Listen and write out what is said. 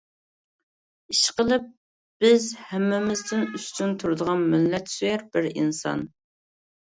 ئىشقىلىپ بىز ھەممىمىزدىن ئۈستۈن تۇرىدىغان مىللەت سۆيەر بىر ئىنسان!